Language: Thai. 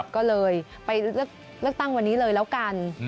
ก็เลยไปเลือกตั้งวันนี้เลยแล้วกัน